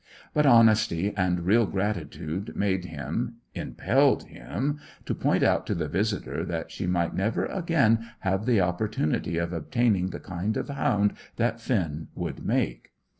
But honesty and real gratitude made him, impelled him, to point out to the visitor that she might never again have the opportunity of obtaining the kind of hound that Finn would make.